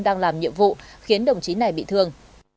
đang làm nhiệm vụ khiến đồng chí này bị thương